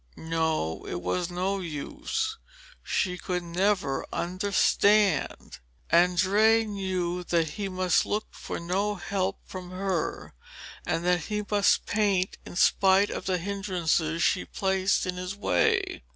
No, it was no use; she could never understand! Andrea knew that he must look for no help from her, and that he must paint in spite of the hindrances she placed in his way.